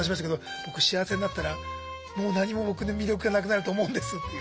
僕幸せになったらもう何も僕に魅力がなくなると思うんですっていう。